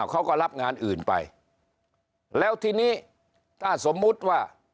เขาก็รับงานอื่นไปแล้วทีนี้ถ้าสมมุติว่า